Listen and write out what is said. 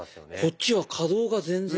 こっちは可動が全然。